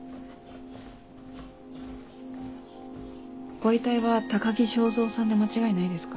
ご遺体は高木昭三さんで間違いないですか？